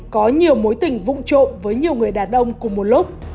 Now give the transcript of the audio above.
có nhiều mối tình vụn trộn với nhiều người đàn ông cùng một lúc